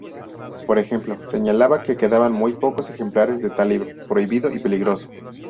Por ejemplo, señalaba que quedaban muy pocos ejemplares de tal libro "prohibido" y "peligroso".